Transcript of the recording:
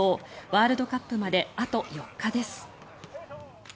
ワールドカップまであと４日です。